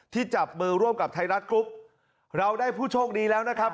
จับมือร่วมกับไทยรัฐกรุ๊ปเราได้ผู้โชคดีแล้วนะครับ